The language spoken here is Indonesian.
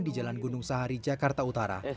di jalan gunung sahari jakarta utara